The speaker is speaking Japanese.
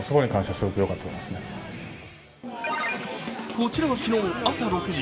こちらは昨日朝６時。